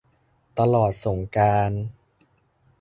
ตลอดสงกรานต์ !